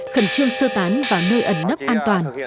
khẩn trương sơ tán vào nơi ẩn nấp an toàn